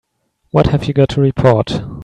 What have you got to report?